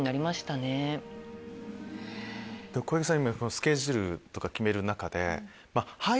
小池さん。